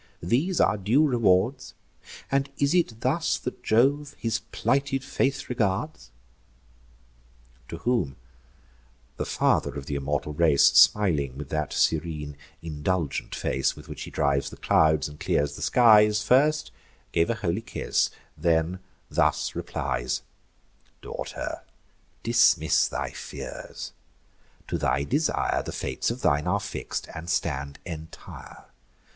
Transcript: these our due rewards? And is it thus that Jove his plighted faith regards?" To whom the Father of th' immortal race, Smiling with that serene indulgent face, With which he drives the clouds and clears the skies, First gave a holy kiss; then thus replies: "Daughter, dismiss thy fears; to thy desire The fates of thine are fix'd, and stand entire.